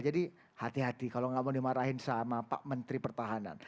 hati hati kalau nggak mau dimarahin sama pak menteri pertahanan